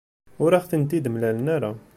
Ur aɣ-tent-id-mlan ara.